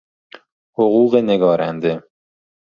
حقوق نگارنده